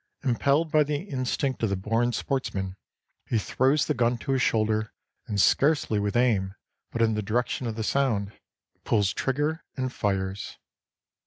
Impelled by the instinct of the born sportsman, he throws the gun to his shoulder, and scarcely with aim, but in the direction of the sound, pulls trigger and fires.